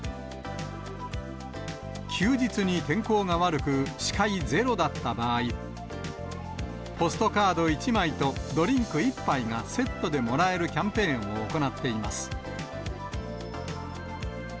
休日に天候が悪く、視界ゼロだった場合、ポストカード１枚とドリンク１杯が、セットでもらえるキャンペーンを行っています。